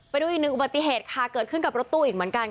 ไปดูอีกหนึ่งอุบัติเหตุค่ะเกิดขึ้นกับรถตู้อีกเหมือนกัน